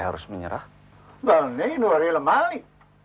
dari negeri ini